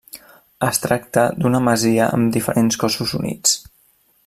Es tracta d'una masia amb diferents cossos units.